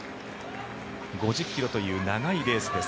５０ｋｍという長いレースです。